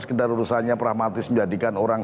sekedar urusannya pragmatis menjadikan orang